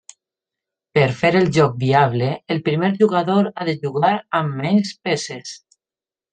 Per fer el joc viable, el primer jugador ha de jugar amb menys peces.